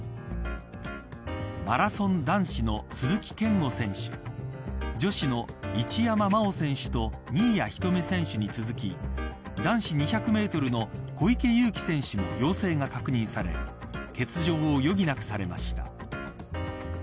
マラソン男子の鈴木健吾選手女子の一山麻緒選手と新谷仁美選手に続き男子２００メートルの小池祐貴選手も陽性が確認され欠場を余儀なくされました。